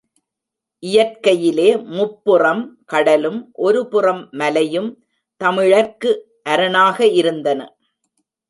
இயற்கையிலே முப்புறம் கடலும் ஒருபுறம் மலையும் தமிழர்கட்கு அரணாக இருந்தன.